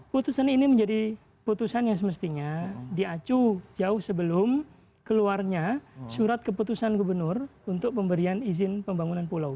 putusan ini menjadi putusan yang semestinya diacu jauh sebelum keluarnya surat keputusan gubernur untuk pemberian izin pembangunan pulau